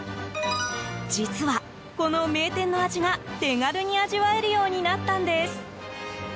実は、この名店の味が手軽に味わえるようになったんです。